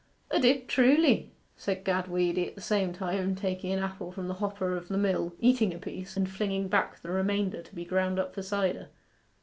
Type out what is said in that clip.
''A did, truly,' said Gad Weedy, at the same time taking an apple from the hopper of the mill, eating a piece, and flinging back the remainder to be ground up for cider.